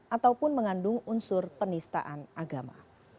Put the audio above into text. ataupun mengandung unsur penistaan agama